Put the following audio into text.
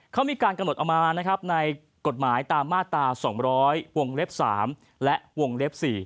เขามีการกำหนดออกมานะครับในกฎหมายตามมาตรา๒๐๐วงเล็บ๓และวงเล็บ๔